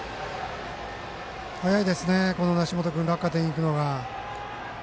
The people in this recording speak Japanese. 早いですね、梨本君落下点に行くのが。